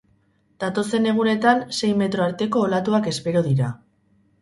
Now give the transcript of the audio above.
Datozen egunetan sei metro arteko olatuak espero dira.